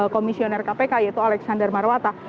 komisioner kpk yaitu alexander marwata